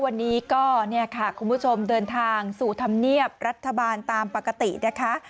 วันนี้ก็เนี่ยค่ะคุณผู้ชมเดินทางสู่ธรรมเนียบรัฐบาลตามปกตินะคะ